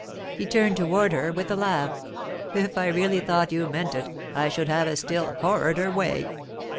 He turned back toward her with a laugh. 'If I really thought you meant it, I should have a still "horrider" way.